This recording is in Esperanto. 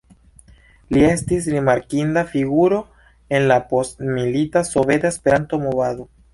Li estis rimarkinda figuro en la postmilita soveta Esperanto-movado.